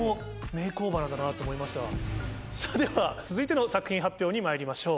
それでは続いての作品発表にまいりましょう。